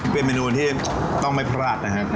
เป็นเมนูที่ต้องไม่พลาดนะครับ